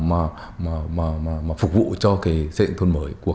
mà phục vụ cho cái xây dựng thôn mới